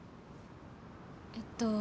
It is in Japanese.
えっと